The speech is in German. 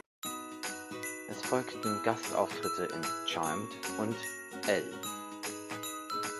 Es folgten Gastauftritte in "Charmed" und "L.